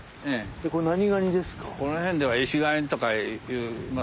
これ何ガニですか？